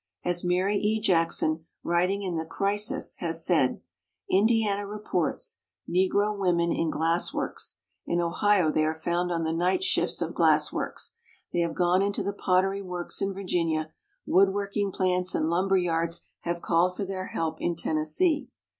As Mary E. Jackson, writing in the Crisis, has said: "Indiana reports [Negro women] in glass works; in Ohio they are found on the night shifts of glass works; they have gone into the pottery works in Virginia; wood work ing plants and lumber yards have called for their help in Tennessee."